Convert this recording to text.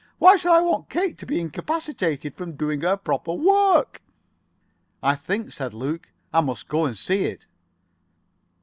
Why should I want Kate to be incapacitated from doing her proper work?" "I think," said Luke, "I must go and see it."